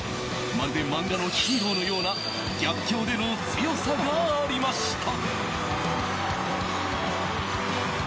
まるで漫画のヒーローのような逆境での強さがありました。